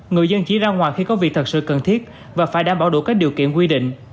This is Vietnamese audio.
người dân chỉ ra ngoài khi có việc thật sự cần thiết và phải đảm bảo đủ các điều kiện quy định